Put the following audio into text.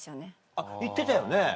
あっ行ってたよね